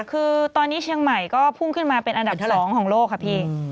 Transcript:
คือตอนนี้เชียงใหม่ก็พุ่งขึ้นมาเป็นอันดับ๒ของโลกค่ะพี่